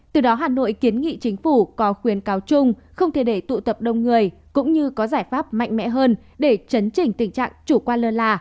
từ đó hà nội kiến nghị chính phủ có khuyến cáo chung không thể để tụ tập đông người cũng như có giải pháp mạnh mẽ hơn để chấn chỉnh tình trạng chủ quan lơ là